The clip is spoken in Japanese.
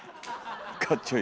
かっちょいい。